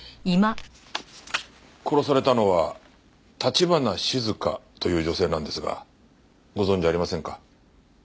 殺されたのは橘静香という女性なんですがご存じありませんか？